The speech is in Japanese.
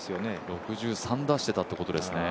６３打してたということですね。